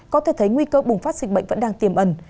có thể thấy nguy cơ bùng phát dịch bệnh vẫn đang tiềm ẩn